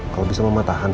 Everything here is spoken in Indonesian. kalau bisa mama tahan